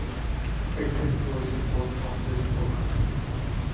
Its intro is a quote from this book.